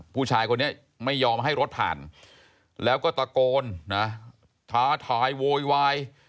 ผู้ชายคนนี้ไม่ยอมให้รถผ่านแล้วก็ตะโกนนะท้าทายโวยวาย